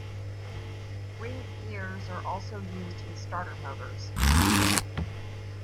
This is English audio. Ring gears are also used in starter motors.